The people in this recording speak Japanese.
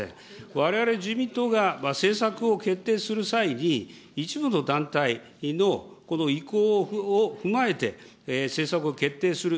われわれ自民党が政策を決定する際に、一部の団体のこの意向を踏まえて、政策を決定する、